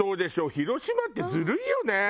広島ってずるいよね。